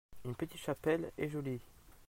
une petite chapelle, et jolie.